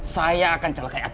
saya akan celakai akna